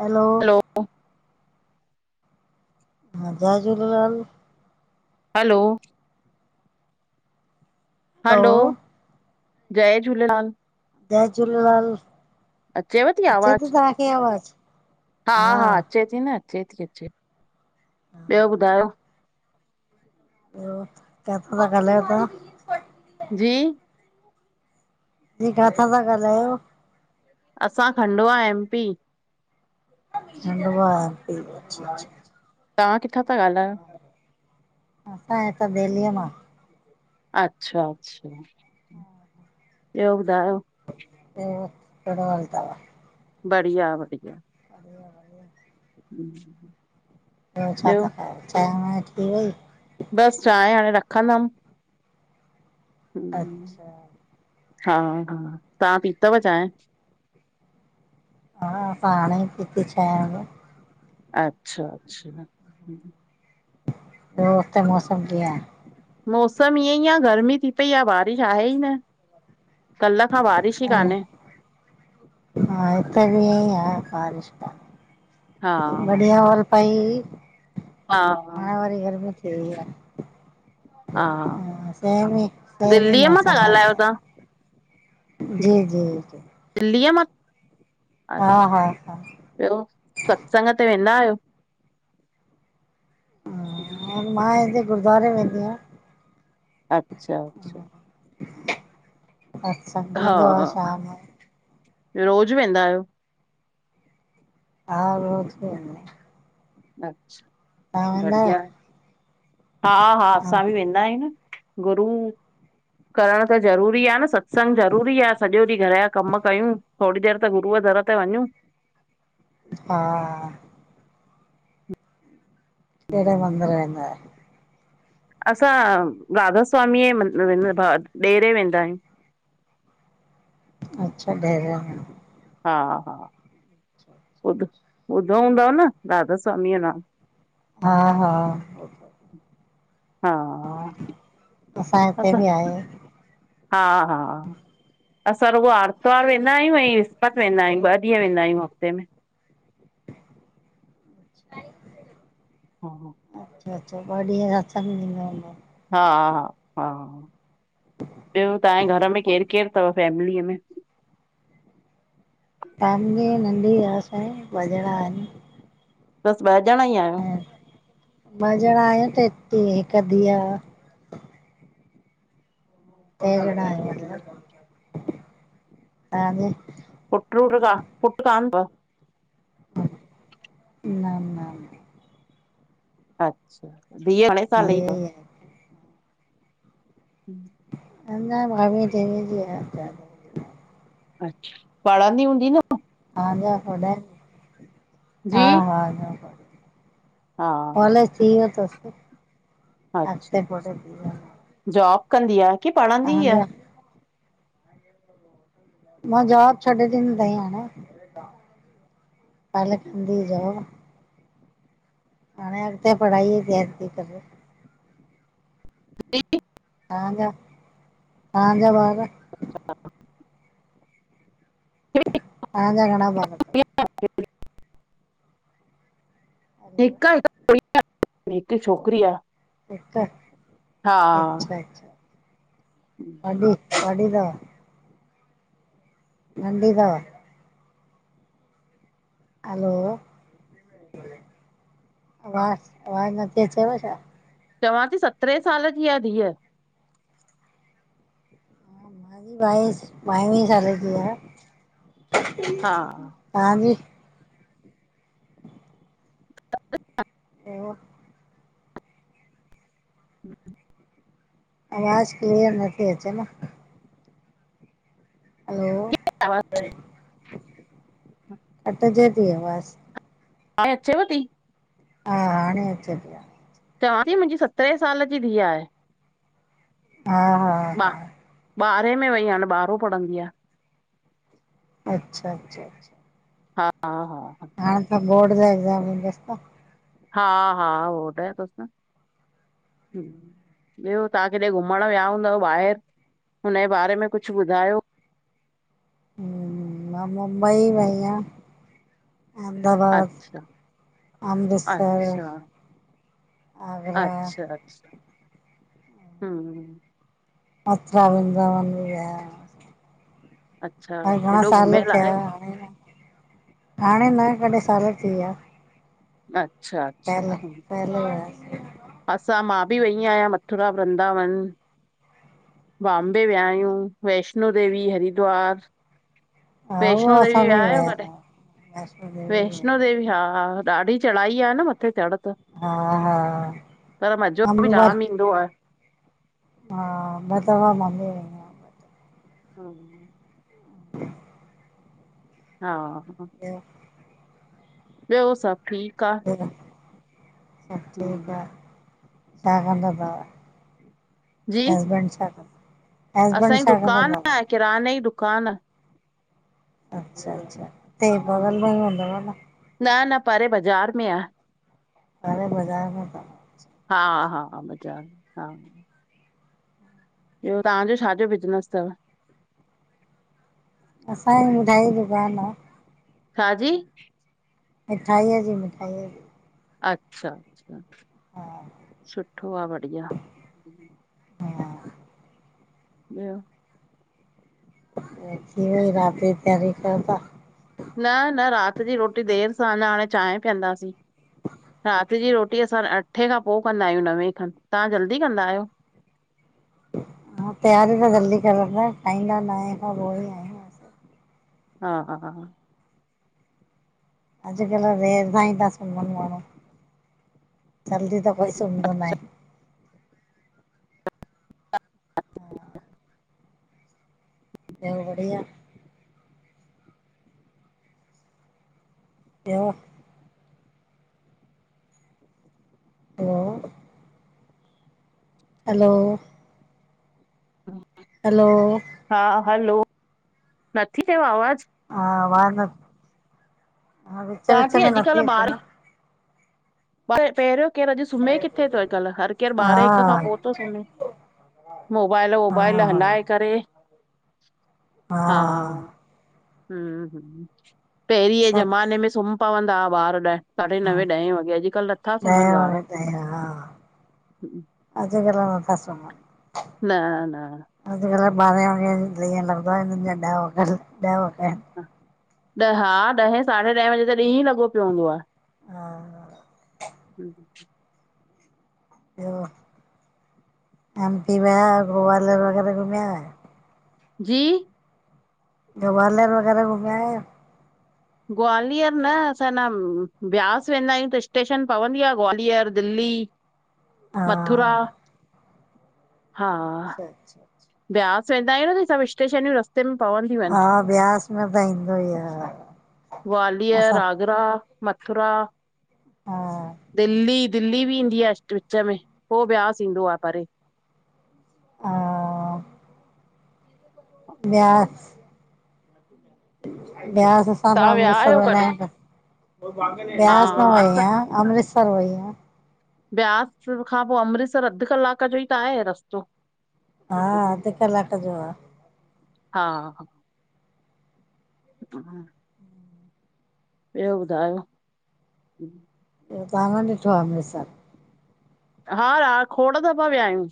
हलो hello हा जय Jhulelal. Hello hello hello जय झूलेलाल। जय झूलेलाल। अचेव थीी अचे थी आवाज़, तव्हांखे आवाज़ हा हा अचे। अचे थी अचे, ॿियो ॿुधायो? उ किथो त गालयो ता? जी। जी कांथां था ॻाल्हायो? असां खंडवां एमपी। खडंवा अच्छा अच्छा तवां किथां थ ॻाल्हायो? असां हितां दिल्लीअ मां। अच्छा अचछा ब्यो ॿुधायो। [unintelligible] केणो हाल चाल आ? बढिया बढिया [inaudible] [inaudible] ॿियो छा था खयो चांहि वांहि थी वई? बसि चांहि हाणे रखंदमि। हम्म, अच्छा हा हा तव्हां पीतव चांहि?? हा अंसा हाणे ही पीती छए वॻे। अचछा अचछा ॿियो उते मौसम कीअ आहे? मौसम ईअं ई आहे गर्मी थी पई आहे बारिश आहे ई न। कल्ह खां बारिश ई आहे कान्हे। हा हित बि इयइ आ बारिश हा बढ़िया हल पाई हा हा हाणे वाररी गरमी स आहे हा ह सेमी सेमी दिल्लीअ मां था मोसम ॻाल्हायो हि तव्हां जी जी जी दिल्लीअ मां हा अचछा हा हा ॿियो सत्संग ते वेंदा आहियो? ऐं मां हिते गुरुद्वारे वेंदी आहियां। अचछा अच्छा। [inaudible] सत्संग हा थींदो आहे हा शाम जो रोज़ वेंदा आहियो? ह रोज वेंदी आ। अचछा वेंदा बढ़िया हा हा आहियो असां बि वेंदा आहियूं न गुरू करण त ज़रूरी आहे न सत्संग ज़रूरी आहे सॼो ॾींहुं घर जा कम कयूं। थोरी देरि त गुरूअ दर ते वञू। हा। केढ़े मंदिर वेंदा आयो? असां राधा स्वामी म ॾेरे वेंदा आहियूं। अच्छा डेरे हा हा ॿुध-ॿुधो हूंदव न राधा स्वामीअ जो नालो? हा हा हा असां हिते बि असां आहे हा-हा असां रुग आर्तवार वेंदा आहियूं ऐं विसपत वेंदा आयु ॿ ॾींहं वेंदा आहियूं हफ़्ते में। [inaudible] हा अच्छा-अच्छा [unintelligible] हा हा हा, ॿियो तव्हांजे घर में केर केर थव फैमिलीअ में? [unintelligible] बस ॿ ॼणा ई आहियो? मांॼणा आहिय ते हिक धी आ। जहिड़ा [inaudible] [unintelligible] पुट रूटा पुट कान तव न न न अचछा धीअ अड़ह साल धीअ ई जी तव? आहे ह न भभी जवी जी ह अच्छा, पढंदी हूंदी न? हाञा होॾे हा जी हा हा हा हा कॉलेज थी सुठो व्यो तस अगते अच्छा [unintelligible] जॉब कंदी आ? की पढ़णंदी आ? मां जोब छॾे ॾिन त ई हाणे। पले खंंदी जओ हाणे अॻते पढ़ाई तयारी थी करे जी? त्हांजा त्हांजा ॿार? अछा तहंजा घणा बार थ? प [unintelligible] हिक आ हिक [unintelligible] हिक छोकिरी आ। हिक अचछा-अचछा वॾी वॾी थव? नंढी थव? हलो आवाज़ आवाज न थी अचेव छा? चवां थी सतरहें साल जी आ धीअ। बाई बावी साल जी आहे। हा हाजी? ऐ [unintelligible] [inaudible] आवाज क्लीअर न थी अचे न। हलो आवाज़ कटजे जी आवाज़ हाणे अचेव ती? हा हाणे अचे थी। चवां ती मुंहिंजी सतरहें साल जी धीअ आहे। हा। हा ॿा, हा ॿारहें में वेई हाणे ॿारहों पढ़ंदी आ। अच्छा, अच्छा हा, हा, हा हाण त बोर्ड जा एग्ज़ाम हूंदस त? हा, हा बोर्ड जा तस न। ॿियो तव्हां किथे घुमण विया हूंदव ॿाहिर? हुनजे बारे में कुझु ॿुधायो हूं मां मुंबई वईयां अहमदाबाद, अच्छा अमृतसर अच्छा आगरा अच्छा, अच्छा, हूं मथुरा, वृंदावन भी विया अच्छा अरॾां हेॾो साल घुमियल आहे थिया हाणे, हाणे न घॾहिं साल थी विया। अच्छा। अच्छा पहले, हम्म। पहले विया सी। असां मां बि वेई आहियां मथुरा, बृदावन। बाम्बे विया आहियूं, वैष्णो देवी, हरिद्वार हा उहो वैष्णो देवी असां बि विया आहियो कॾहिं? हुआ था, वैष्णो देवी वैष्णो देवी हा, हा ॾाढी चढ़ाई आहे न मथे चढ़ त। हा - हा। पर मज़ो बि मम्मी ब जाम ईंदो आहे। हा ॿ दफा मां बी वई आ हा [inaudible] हा ह। ॿियो ॿियो सभु ठीक आ। सभ ठीक आ छा कंदव भा? जी हसबैंड छा कंदा, हसबैंड असांजी छा कंदा दुकान अथव? आहे किराने ई दुकान। अच्छा, अच्छा हिते बगल मे ई हूंदव न? न, न परे बजार में आ। परे बजार में हा, हा, हा बजार में हा। ॿियो तव्हांजो छाजो बिज़नेस अथव? असांजी मिठाई जी दुकान आ। छाजी? मिठाईय जी, मिठाईय जी। अच्छा, अच्छा हा सुठो आ बढ़िया। हा। ॿियो थी वई रात जी तयारी कयो ता। न न, रात जी रोटी देर सां, अञा हाणे चांयं पीअंदासीं। रात जी रोटी असां अठें खां पो कंदायूं, नवें खन, तहां जल्दी कंदायो? हा, तैयारी त जल्दी करंदीयां, खाईंदा नांए खां पो ई आयूं। हा हा अॼकल्ह देर सांईं ता सुमन मांण्हूं। जल्दी त कोई सुमदो नांहें। [unintelligible] ॿयो बढ़िया? ॿयो? वा वा हलो! हा हलो! हा हलो! नथी चेव आवाज़? हा, आवाज़ न, हा, विच चवां विच थी में नथी अचे न। पर पहिर्यों केरु अॼ सुम्हें किथे तो अॼकल्ह हर केरु हा ॿारहें हिक खां पो तो सुम्हें। मोबाइल हा वोबाइल हा हलाए करे। हा हूं हूं, पहिरीं जे सभु ज़माने में सुम्ह पवंदा हुआ ॿार ॾहे साढ़े हा नवें, ॾहे वॻे, अॼकल्ह नथा सुमन ॾहें ॿार। वॻे अॼकल नथा सुमंन। न न अॼकल ॿारहें वॻे तांईं, मोबाइलन में नंढ़ा वॾा लॻा पया एन। हा, ॾहें, साढ़े ॾहें बजे त ॾींह लॻो प्यो हूंदो आ। हा एम, पी में ग्वालयर वग़ैरा घुमया आयो? जी ग्वारलर वगैरा घुमयायो? ग्वालियर न, असां न ब्यास वेंदायूं त स्टेशन पवंदी आ ग्वालियर, दिल्ली। हा मथुरा। हा, अच्छा अच्छा अच्छा ब्यास वेंदायूं न त सभ स्टेशनूं रस्त सिम पवंदयूं एन हा ब्यास में त ईंदो ई आहे ग्वालियर, असां आगरा। आगरा, मथुरा। हा दिल्ली दिल्ली बि ईंदी आ, स्ट् विच में, पो ब्यास ईंदो आ, परे हा व्यास। ब्यास, असां त तव्हां विया अमृतसर आहियो कॾहिं वेंदायूं त हा ब्यास न हा, असां वईयां, अमृतसर वईयां। ब्यास खां पो, अमृतसर अध कलाक जो ई त आहे रस्तो। हा, अध कलाक जो आ। हा हा [inaudible] ॿयो ॿुधायो? ॿयो तहां न ॾिठो आ अमृतसर? हा रा खोड़ दफा व्या यूं।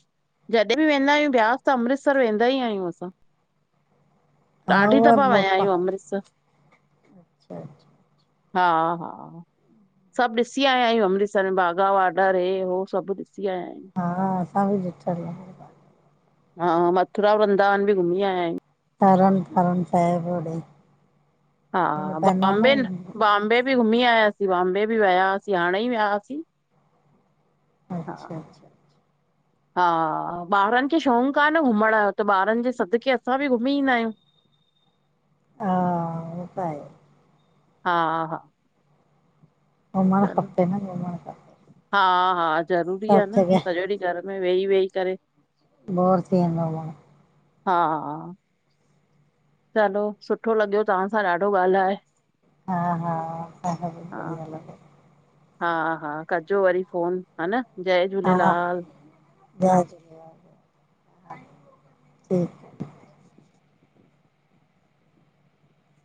जॾहिं बि वेंदा आहियूं ब्यास त अमृतसर वेंदा ई आहियूं असां। [inaudible] ॾाढी उहा दफ़ा वया बप्पा आहियूं अमृतसर। [unintelligible] हा, हा सभु ॾिसी आयाां आहियूं अमृतसर में बाघा वॉडर हे, हो। सबु ॾिसी आयायु। हा असां बि ॾिठल आह। हा, मथुरा, वृंदावन बि घुमी आयायूं। तरण तरण साहेब होॾे। हा होॾे पवंदो बॉम्बे, आहे न बॉम्बे बि घुमी आयासीं बॉम्बे बि विया हुआसीं हाणे ई विया हुआसीं। हा अच्छा, अच्छा। हा ॿारनि खे शौक़ु आ न घुमण यो, त ॿारनि जे सदके असां बि घुमी ईंदा आहियूं। हा उ त आहे। हा, हा। घुमणु चलो, खपे न घुमणु खपे। हा हा ज़रूरी आ सभु न जॻह त सॼो ॾिह घर में वेही वेही करे। बोर थी वेंदवा। हा। चलो, सुठो लॻियो तव्हां सां ॾाढो ॻाल्हाए। हा, हा, [unintelligible] बि हा बढ़या लॻयो। हा हा, कजो वरी फोन हा, न जय हा झूलेलाल। जय झूलेलाल ठीक।